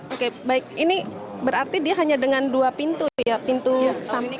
oke baik ini berarti dia hanya dengan dua pintu ya pintu samping